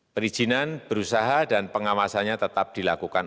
perizinan berusaha dan pengawasannya tetap dilakukan